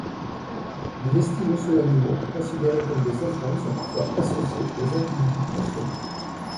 Des vestiges osseux animaux considérés comme des offrandes sont parfois associés aux individus ensevelis.